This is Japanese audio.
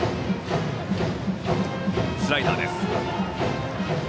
スライダーです。